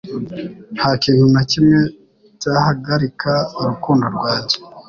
Nta kintu na kimwe cyahagarika urukundo rwanjye